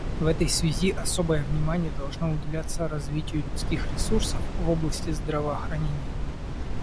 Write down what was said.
В этой связи особое внимание должно уделяться развитию людских ресурсов в области здравоохранения.